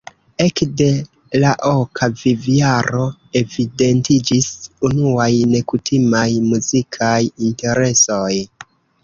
Ekde la oka vivjaro evidentiĝis unuaj nekutimaj muzikaj interesoj.